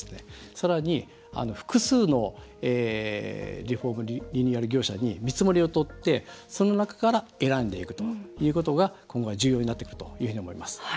さらに複数のリフォームリニューアル業者に見積もりを取って、その中から選んでいくということが今後は重要になってくるというふうに思います。